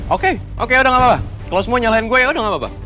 oke oke yaudah gapapa kalau semua nyalahin gue yaudah gapapa